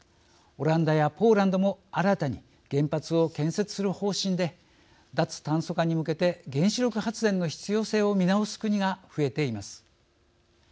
オランダやポーランドも新たに原発を建設する方針で脱炭素化に向けて原子力発電の必要性を見直す国が増えています。